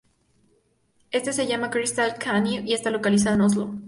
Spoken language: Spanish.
Este se llama Crystal Canyon y está localizado en Oslo.